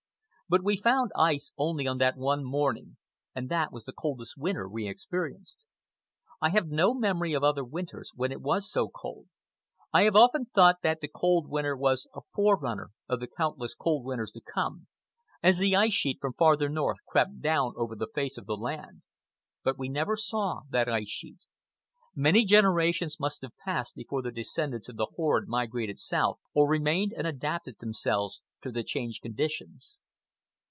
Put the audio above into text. But we found ice only on that one morning, and that was the coldest winter we experienced. I have no memory of other winters when it was so cold. I have often thought that that cold winter was a fore runner of the countless cold winters to come, as the ice sheet from farther north crept down over the face of the land. But we never saw that ice sheet. Many generations must have passed away before the descendants of the horde migrated south, or remained and adapted themselves to the changed conditions.